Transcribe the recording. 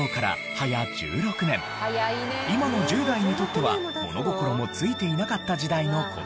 今の１０代にとっては物心もついていなかった時代の言葉。